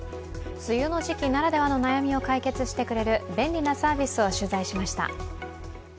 梅雨の時期ならではの悩みを解決してくれる便利なサービスを取材しました。